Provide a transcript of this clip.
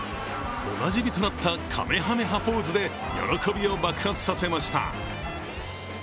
おなじみとなった、かめはめ波ポーズで喜びを爆発させました。